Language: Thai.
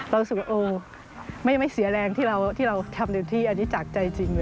รู้สึกว่าไม่เสียแรงที่เราทำเต็มที่อันนี้จากใจจริงเลย